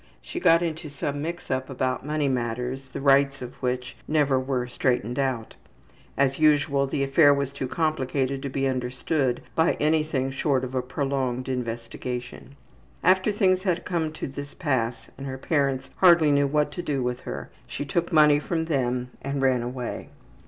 She got into some mix up about money matters, the rights of which never were straightened out. As usual, the affair was too complicated to be understood by anything short of a prolonged investigation. After things had come to this pass and her parents hardly knew what to do with her, she took money from them and ran away.